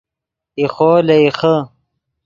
ایخو لے ایخے